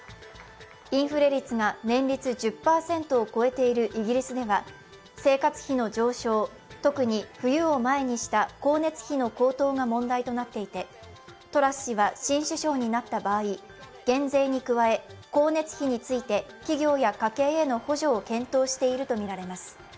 インフレ率が年率１０％を超えているイギリスでは生活費の上昇、特に冬を前にした光熱費の高騰が問題となっていてトラス氏は新首相になった場合、減税に加え光熱費について企業や家計への補助を検討しているとみられます。